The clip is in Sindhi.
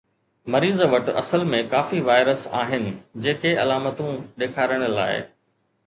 مريض وٽ اصل ۾ ڪافي وائرس آهن جيڪي علامتون ڏيکارڻ لاءِ